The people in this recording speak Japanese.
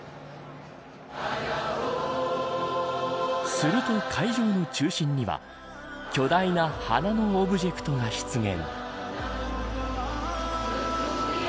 すると会場の中心には巨大な花のオブジェクトが出現。